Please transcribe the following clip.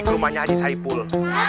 ke rumahnya haji saipul